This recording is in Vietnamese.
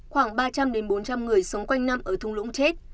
khoảng ba trăm linh bốn trăm linh người sống quanh năm ở thung lũng chết